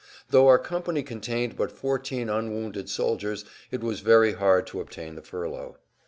Though our company contained but 14 unwounded soldiers it was very hard to obtain the furlough.